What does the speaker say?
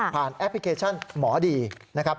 แอปพลิเคชันหมอดีนะครับ